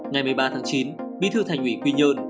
ngày một mươi ba tháng chín bí thư thành ủy quy nhơn